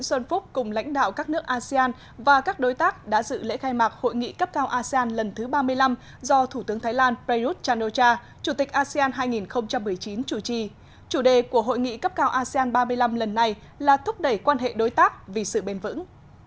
chủ tịch asean hai nghìn một mươi chín chủ trì chủ đề của hội nghị cấp cao asean ba mươi năm lần này là thúc đẩy quan hệ đối tác vì sự bền vững